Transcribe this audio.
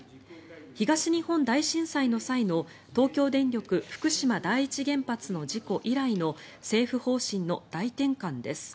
東日本大震災の際の東京電力福島第一原発の事故以来の政府方針の大転換です。